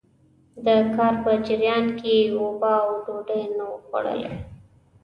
د کار په جريان کې يې اوبه او ډوډۍ نه وو خوړلي.